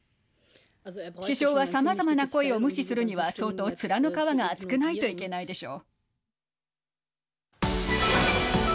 首相はさまざまな声を無視するには相当、面の皮が厚くないといけないでしょう。